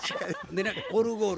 オルゴール